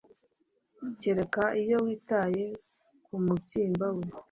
kereka iyo witaye ku mubyimba we